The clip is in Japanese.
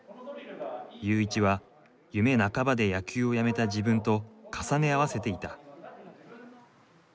ユーイチは夢半ばで野球をやめた自分と重ね合わせていた。